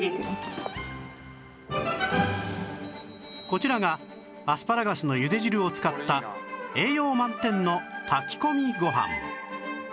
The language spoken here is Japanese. こちらがアスパラガスのゆで汁を使った栄養満点の炊き込みご飯